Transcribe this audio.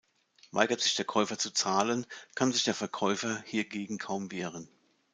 Weigert sich der Käufer zu zahlen, kann sich der Verkäufer hiergegen kaum wehren.